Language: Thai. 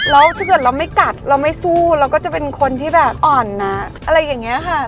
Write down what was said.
แล้วถ้าเกิดเราไม่กัดเราไม่สู้เราก็จะเป็นคนที่แบบอ่อนนะอะไรอย่างนี้ค่ะ